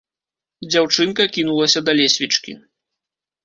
Дзяўчынка кінулася да лесвічкі.